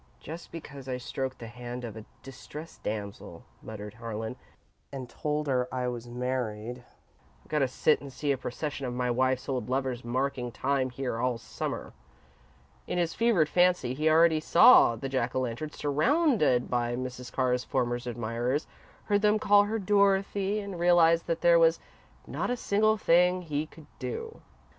"Just because I stroked the hand of a distressed damsel," muttered Harlan, "and told her I was married, I've got to sit and see a procession of my wife's old lovers marking time here all Summer!" In his fevered fancy, he already saw the Jack o' Lantern surrounded by Mrs. Carr's former admirers, heard them call her "Dorothy," and realised that there was not a single thing he could do.